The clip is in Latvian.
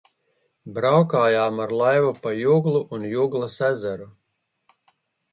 Braukājām ar laivu pa Juglu un Juglas ezeru.